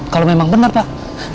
kalau memang bener pak